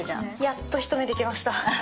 やっとひと目できました。